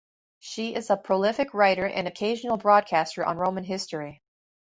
She is a prolific writer and occasional broadcaster on Roman history.